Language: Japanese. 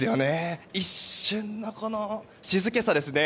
一瞬の静けさですね。